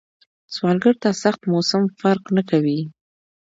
سوالګر ته سخت موسم فرق نه کوي